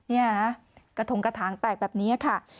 กระทงกระถางแตกแบบนี้ค่ะ